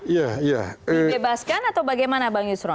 dibebaskan atau bagaimana bang yusron